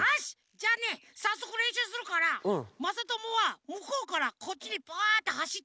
じゃあねさっそくれんしゅうするからまさともはむこうからこっちにバッてはしって。